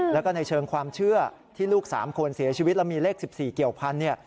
แล้วก็ในเชิงความเชื่อที่ลูก๓คนเสียชีวิตแล้วมีเลข๑๔เกี่ยวพันธุเนี่ย